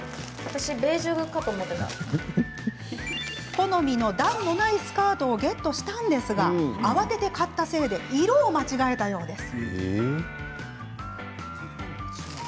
好みの段のないスカートをゲットしたんですが慌てて買ったせいで色を間違えたようです。